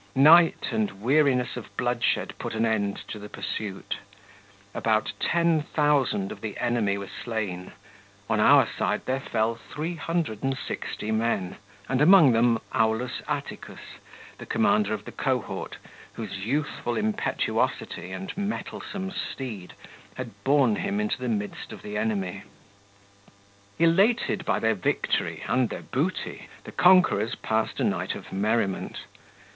Night and weariness of bloodshed put an end to the pursuit. About 10,000 of the enemy were slain; on our side there fell 360 men, and among them Aulus Atticus, the commander of the cohort, whose youthful impetuosity and mettlesome steed had borne him into the midst of the enemy. 38 Elated by their victory and their booty, the conquerors passed a night of merriment.